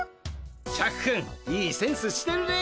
シャクくんいいセンスしてるねえ。